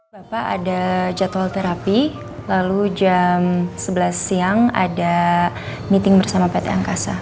bapak ada jadwal terapi lalu jam sebelas siang ada meeting bersama pt angkasa